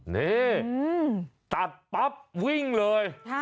นี่ตัดปั๊บวิ่งเลย